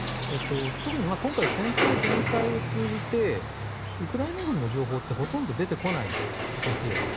特に今回、戦争全体を通じてウクライナ軍の情報ってほとんど出てこないんですよ。